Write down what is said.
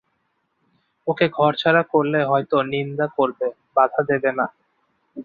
ওঁকে ঘরছাড়া করলে হয়তো নিন্দা করবে, বাধা দেবে না।